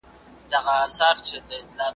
زاړه ښارونه تاریخي ارزښت لري.